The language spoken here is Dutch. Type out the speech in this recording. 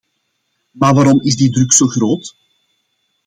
Maar waarom is die druk zo groot?